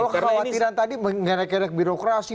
kalau kekhawatiran tadi mengenai kinerja birokrasi